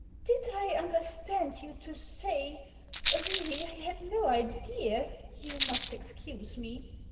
" Did I understand you to say Really, I had no idea — you must excuse me.